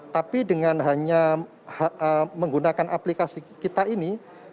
tapi dengan hanya menggunakan aplikasi kita ini